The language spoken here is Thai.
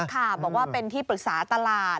ค่ะบอกว่าเป็นที่ปรึกษาตลาด